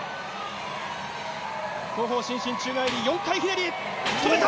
後方伸身宙返り４回ひねり止めた！